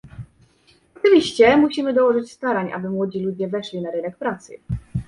Oczywiście, musimy dołożyć starań, aby młodzi ludzie weszli na rynek pracy